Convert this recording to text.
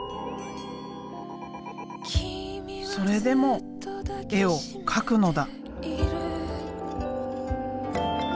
それでも絵を描くのだ！